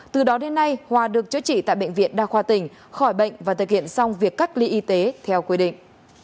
từ đó đến nay hòa được chữa trị tại bệnh viện đa khoa tỉnh khỏi bệnh và thực hiện xong việc cách ly y tế theo quy định